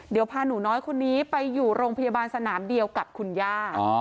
เดี๋ยวพาหนูน้อยคนนี้ไปอยู่โรงพยาบาลสนามเดียวกับคุณย่า